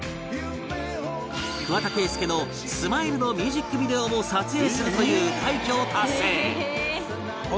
桑田佳祐の『ＳＭＩＬＥ』のミュージックビデオも撮影するという快挙を達成